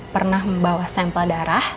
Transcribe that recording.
pernah membawa sampel darah